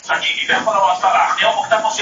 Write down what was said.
ما د خپلي څېړني لپاره ډېر نوي مواد وموندل.